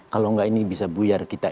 kalau enggak ini bisa buyar kita